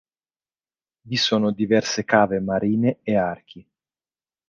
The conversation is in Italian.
Vi sono diverse cave marine e archi.